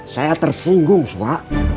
saya tersinggung sobri